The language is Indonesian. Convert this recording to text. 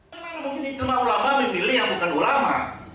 memang begini semua ulama memilih yang bukan ulama